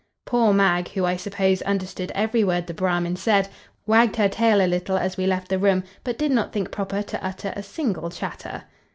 Poor mag (who, I suppose, understood every word the Bramin said) wagged her tail a little, as we left the room, but did not think proper to utter a single chatter.